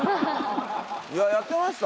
いややってました？